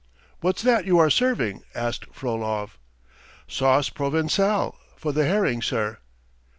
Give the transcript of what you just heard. "What's that you are serving?" asked Frolov. "Sauce Provençale for the herring, sir.